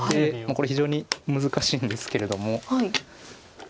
これ非常に難しいんですけれども。